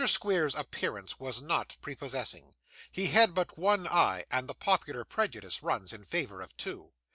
Squeers's appearance was not prepossessing. He had but one eye, and the popular prejudice runs in favour of two.